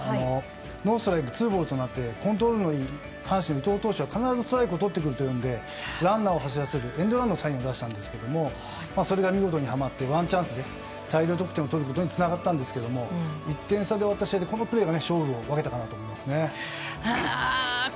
ノーストライクツーボールとなってコントロールのいい阪神の伊藤投手は必ずストライクをとってくるというのでランナーを走らせるエンドランのサインを出したんですがそれが見事にはまってワンチャンスで大量得点を取ることにつながったんですが１点差で、これが勝負を分けたかなと思うんですね。